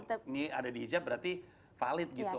oh ini ada di hitchup berarti valid gitu oke